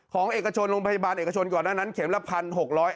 เอกชนโรงพยาบาลเอกชนก่อนหน้านั้นเข็มละ๑๖๐๐บาท